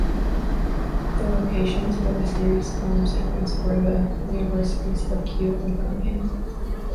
The locations for the series' filmed sequences were the universities of Keele and Birmingham.